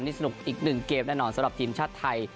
นี่สนุกอีกหนึ่งเกมแน่นอนสำหรับทีมชาติไทย